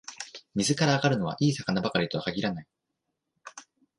水から揚がるのは、いい魚ばかりとは限らない